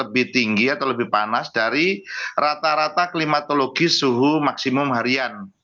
lebih tinggi atau lebih panas dari rata rata klimatologis suhu maksimum harian